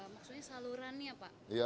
maksudnya saluran ya pak